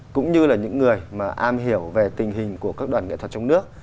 cũng như là những người mà am hiểu về tình hình của các đoàn nghệ thuật trong nước